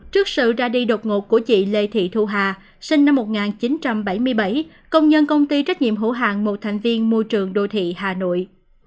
trước sự ra đi đột ngột của chị lê thị thu hà sinh năm một nghìn chín trăm bảy mươi bảy công nhân công ty trách nhiệm hữu hàng một thành viên môi trường đô thị hà nội